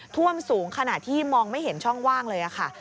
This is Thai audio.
ท่วมสูงขณะที่มองไม่เห็นช่องว่างเลยค่ะ